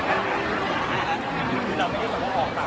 การรับความรักมันเป็นอย่างไร